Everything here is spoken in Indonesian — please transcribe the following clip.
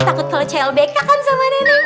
takut kalau clbk kan sama nenek